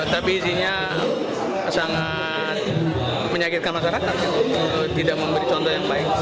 tapi isinya sangat menyakitkan masyarakat untuk tidak memberi contoh yang baik